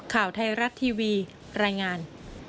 ข่าวไทยรัฐทีวีรายงาน